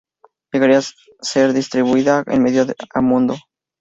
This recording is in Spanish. Llegaría a ser distribuida en medio mundo.